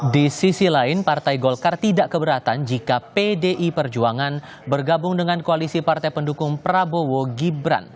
di sisi lain partai golkar tidak keberatan jika pdi perjuangan bergabung dengan koalisi partai pendukung prabowo gibran